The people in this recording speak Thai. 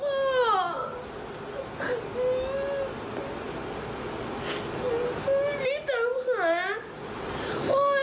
ในตัวหา